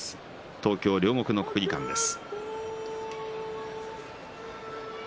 東京・両国の国技館です。